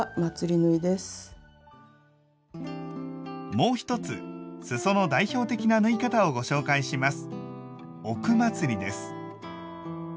もう一つすその代表的な縫い方をご紹介します。